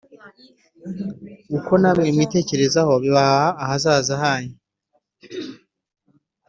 uko namwe mwitekerezaho bibaha ahazaza hanyu